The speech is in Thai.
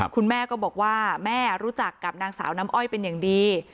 คุณแม่ก็บอกว่าแม่รู้จักกับนางสาวน้ำอ้อยเป็นอย่างดี